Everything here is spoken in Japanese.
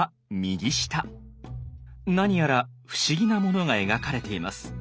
何やら不思議なものが描かれています。